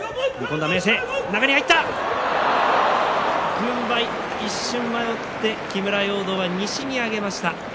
軍配、一瞬迷って木村容堂は西に上げました。